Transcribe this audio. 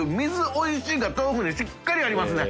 おいしいからι紊しっかりありますね。